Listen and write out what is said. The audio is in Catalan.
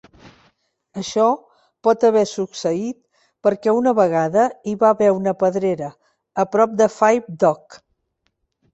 Això pot haver succeït perquè una vegada hi va haver una pedrera, a prop de Five Dock.